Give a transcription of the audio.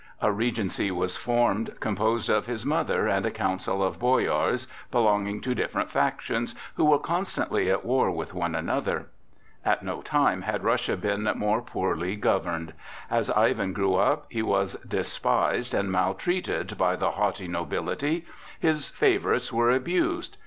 A regency was formed, composed of his mother and a council of boyars, belonging to different factions, who were constantly at war with one another. At no time had Russia been more poorly governed. As Ivan grew up, he was despised and maltreated by the haughty nobility; his favorites were abused.